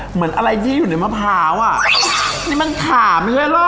เหมือนอะไรที่อยู่ในมะพร้าวอ่ะนี่มันถามอีกเลยเหรอ